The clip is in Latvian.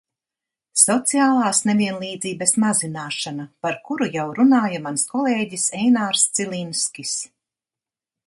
Sociālās nevienlīdzības mazināšana, par kuru jau runāja mans kolēģis Einārs Cilinskis.